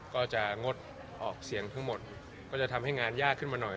ก็จะงดออกเสียงทั้งหมดก็จะทำให้งานยากขึ้นมาหน่อย